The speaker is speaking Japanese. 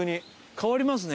変わりますね。